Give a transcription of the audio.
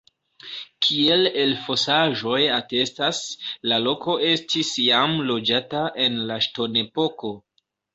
Kiel elfosaĵoj atestas, la loko estis jam loĝata en la ŝtonepoko.